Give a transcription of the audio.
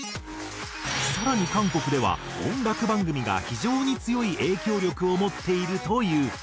更に韓国では音楽番組が非常に強い影響力を持っているという。